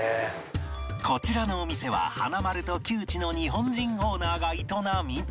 こちらのお店は華丸と旧知の日本人オーナーが営み